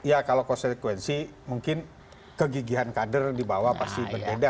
iya kalau konsekuensi mungkin kegigihan kader dibawah pasti berbeda